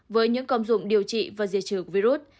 với những công dụng điều trị và diệt trừ virus